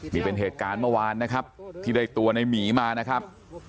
นี่เป็นเหตุการณ์เมื่อวานนะครับที่ได้ตัวในหมีมานะครับ